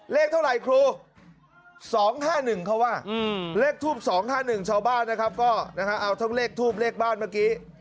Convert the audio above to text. เลขเท่าไหร่ครู๒๕๑เขาว่าเลขทูบ๒๕๑ชาวบ้านนะครับก็เอาทั้งเลขทูบเลขบ้านเมื่อกี้